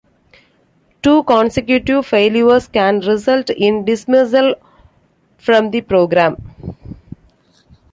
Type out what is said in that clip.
Two consecutive failures can result in dismissal from the program.